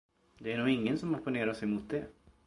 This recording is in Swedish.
Det är nog ingen som opponerar sig mot det.